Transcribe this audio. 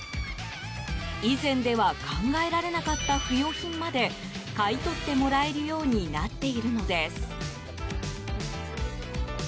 以前では考えられなかった不用品まで買い取ってもらえるようになっているのです。